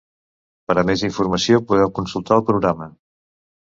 Per a més informació podeu consultar el programa.